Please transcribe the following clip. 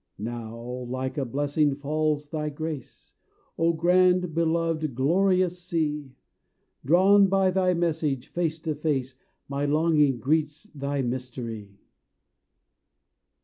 Now, like a blessing falls thy grace, O grand, beloved, glorious sea! Drawn by thy message, face to face, My longing greets thy mystery!